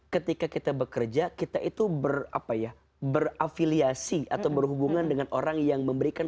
ketika kita bekerja kita itu berapa ya berafiliasi atau berhubungan dengan orang yang memberikan